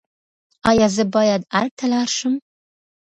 ایا زه باید ارګ ته لاړ شم؟